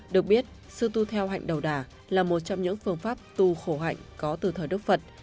được biết sư tu theo hạnh đầu đà là một trong những phương pháp tu khổ hạnh có từ thời đức phật